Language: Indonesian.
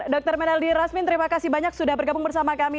dr menaldi rasmin terima kasih banyak sudah bergabung bersama kami